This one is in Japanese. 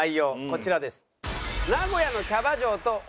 こちらです。